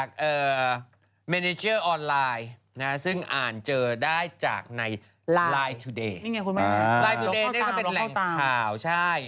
วิธี๔ได้เป็นแหล่งข่าวใช่